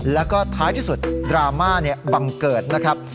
แล้วก็ท้ายที่สุดดราม่าบังเกิดนะครับ